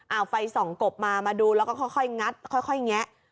เอาไฟส่องกบมามาดูแล้วก็ค่อยงัดค่อยแงะ